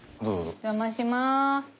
お邪魔します。